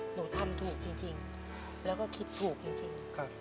หนูทำถูกจริงแล้วก็คิดถูกจริง